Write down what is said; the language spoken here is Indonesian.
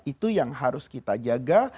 itu yang harus kita jaga